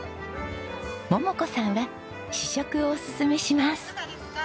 萌々子さんは試食をおすすめします。